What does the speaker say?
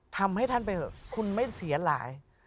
ทำให้ท่านไปเถอะคุณไม่เสียหลาย